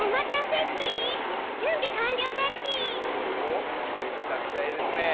おできたみたいですね。